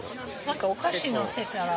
何かお菓子載せたら。